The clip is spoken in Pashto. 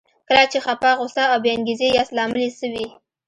کله چې خپه، غوسه او بې انګېزې ياست لامل يې څه وي؟